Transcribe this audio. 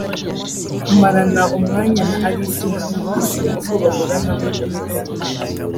Kumarana umwanya na Alice ni nk’umugisha kuko bahorana umunezero